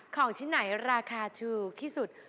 เดี๋ยวราคาถูกที่สุด